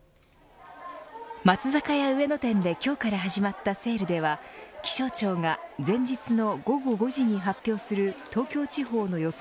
松坂屋上野店で今日から始まったセールでは気象庁が前日の午後５時に発表する東京地方の予想